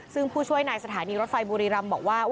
ซึ่งผู้ช่วยในสถานีรถไฟบุรีรำบอกว่า